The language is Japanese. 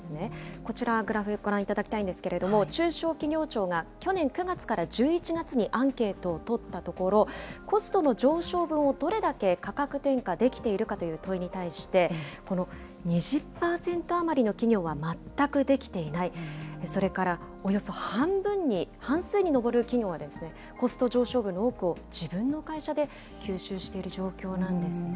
こちら、グラフ、ご覧いただきたいんですけれども、中小企業庁が去年９月から１１月にアンケートを取ったところ、コストの上昇分をどれだけ価格転嫁できているかという問いに対して、この２０％余りの企業は全くできていない、それからおよそ半分に、半数に上る企業は、コスト上昇分の多くを自分の会社で吸収している状況なんですね。